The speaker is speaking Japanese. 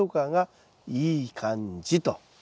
いい感じ。